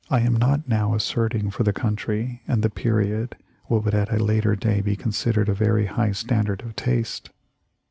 311 am not now asserting for the country and the period what would at a later day be considered a very high standard of taste.